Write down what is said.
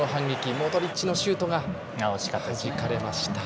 モドリッチのシュートがはじかれました。